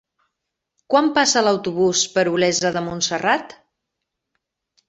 Quan passa l'autobús per Olesa de Montserrat?